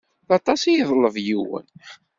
D aṭas i yeḍleb yiwen?